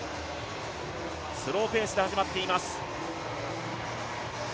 スローペースで始まっています。